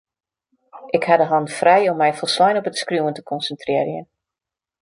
Ik ha de hannen frij om my folslein op it skriuwen te konsintrearjen.